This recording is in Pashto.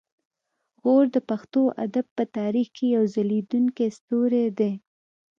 غور د پښتو ادب په تاریخ کې یو ځلیدونکی ستوری دی